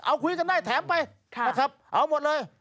เอาคุยกันได้แถมไปนะครับเอาหมดเลย